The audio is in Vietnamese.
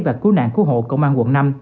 và cứu nạn cứu hộ công an quận năm